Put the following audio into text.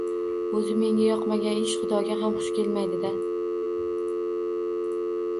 O`zi menga yoqmagan ish Xudoga ham xush kelmaydi-da